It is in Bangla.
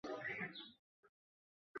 এটি একটি খুব বিখ্যাত পর্যটন স্পট।